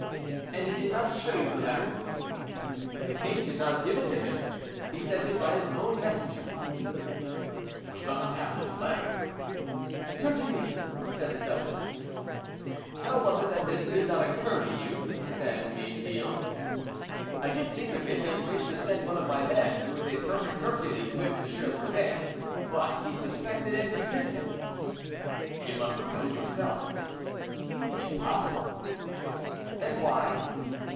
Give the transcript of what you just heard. "And he did not show you the letter?" "The king did not give it to him; he sent it by his own messenger." "We must have this letter." "Certainly," said the duchess. "How was it that this did not occur to you?" said Mayneville. "I did think of it, and wished to send one of my men, who is a perfect Hercules, with M. Briquet, but he suspected, and dismissed him." "You must go yourself." "Impossible!" "And why?"